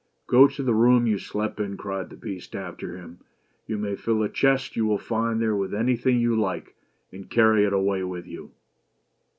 " Go to the room you slept in," cried the Beast after him, " you may fill a chest you will find there with anything you like, and carry it away with you."